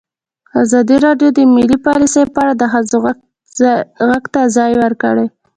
ازادي راډیو د مالي پالیسي په اړه د ښځو غږ ته ځای ورکړی.